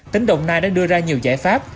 tỉnh đồng nai đã đưa ra nhiều giải pháp